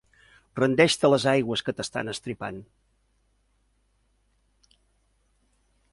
Rendeix-te a les aigües que t'estan estripant.